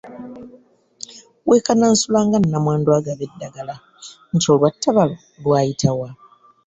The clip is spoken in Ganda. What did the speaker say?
Weekanansula nga nnamwandu agaba eddagala, nti olwatta balo lwayita wa?